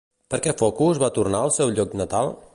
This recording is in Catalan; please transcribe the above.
Per què Focos va tornar al seu lloc natal?